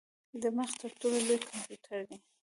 دماغ تر ټولو لوی کمپیوټر دی.